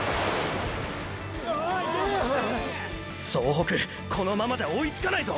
総北このままじゃ追いつかないぞ！！